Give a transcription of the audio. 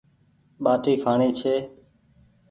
ٻآٽي کآڻي ڇي